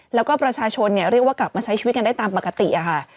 แล้วก็ประชาชนเรียกว่ากลับมาใช้ชีวิตกันได้ตามปกติค่ะ